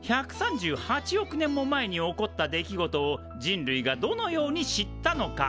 １３８億年も前に起こった出来事を人類がどのように知ったのか？